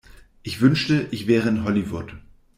Ich wünschte, ich wäre in Hollywood.